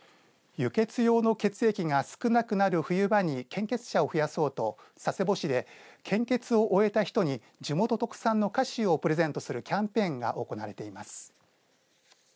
輸血用の血液が少なくなる冬場に献血者を増やそうと佐世保市で献血を終えた人に地元特産の菓子をプレゼントするキャンペーンが行われています。